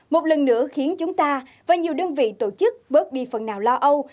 một lần nữa khiến chúng ta và nhiều đơn vị tổ chức bớt đi phần nào lo âu